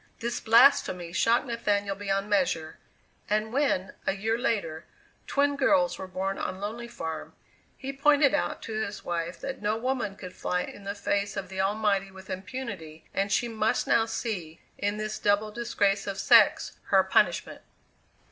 This blasphemy shocked Nathaniel beyond measure, and when, a year later, twin girls were born on Lonely Farm, he pointed out to his wife that no woman could fly in the face of the Almighty with impunity and she must now see, in this double disgrace of sex, her punishment.